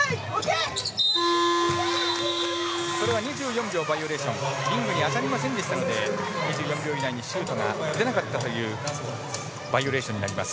これは２４秒バイオレーションリングに当たりませんでしたので２４秒以内にシュートが出なかったということでバイオレーションになります。